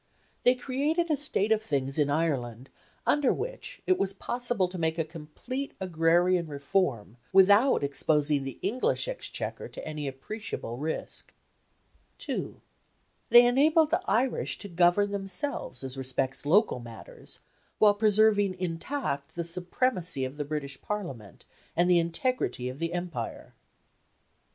They created a state of things in Ireland under which it was possible to make a complete agrarian reform without exposing the English Exchequer to any appreciable risk. 2. They enabled the Irish to govern themselves as respects local matters, while preserving intact the supremacy of the British Parliament and the integrity of the Empire.